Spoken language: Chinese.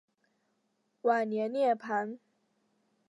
晚年涅盘。